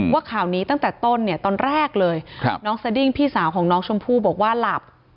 ว่าข่าวนี้ตั้งแต่ต้นเนี่ยตอนแรกเลยน้องสดิ้งพี่สาวของน้องชมพู่บอกว่าหลับ